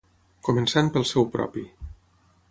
Començant pel seu propi.